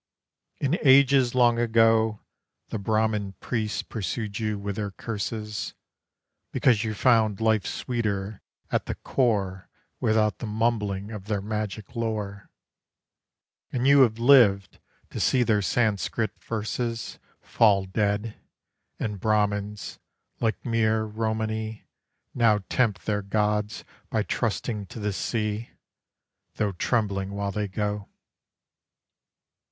In ages long ago The Brahman priests pursued you with their curses, Because you found life sweeter at the core Without the mumbling of their magic lore. And you have lived to see their Sanskrit verses Fall dead; and Brahmans, like mere Romany, Now tempt their gods by trusting to the sea, Though trembling while they go.